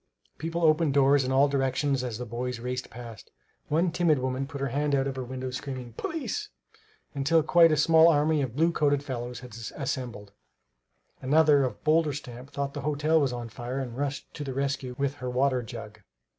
People opened doors in all directions as the boys raced past. One timid woman put her head out of her window, screaming, "Police!" until quite a small army of blue coated fellows had assembled. Another of bolder stamp thought the hotel was on fire and rushed to the rescue with her water jug.